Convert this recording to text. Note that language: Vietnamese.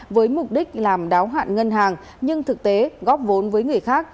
với mục đích làm đáo hạn ngân hàng nhưng thực tế góp vốn với người khác